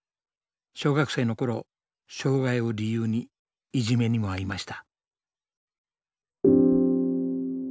小学生の頃障害を理由にいじめにもあいました。